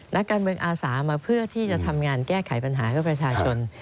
นักการเมืองอาสามาเพื่อที่จะทำงานแก้ไขปัญหาให้ประชาชน